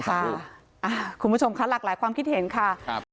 คุณผู้ชมคะหลากหลายความคิดเห็นค่ะครับ